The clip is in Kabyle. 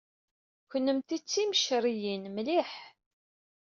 Kennemti d timceṛṛiyin mliḥ!